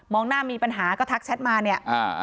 มองหน้ามีปัญหาก็ทักแชตมานี่